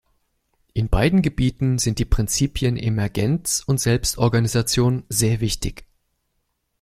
In beiden Gebieten sind die Prinzipien Emergenz und Selbstorganisation sehr wichtig.